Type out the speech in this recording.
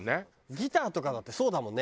ギターとかだってそうだもんね。